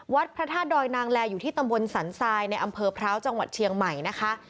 พระธาตุดอยนางแลอยู่ที่ตำบลสันทรายในอำเภอพร้าวจังหวัดเชียงใหม่นะคะ